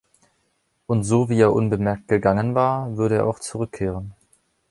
Und so wie er unbemerkt gegangen war, würde er auch zurückkehren.